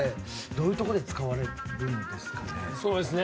どういうところで使われるんですかね？